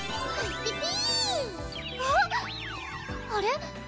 あれ？